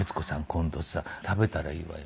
今度さ食べたらいいわよ。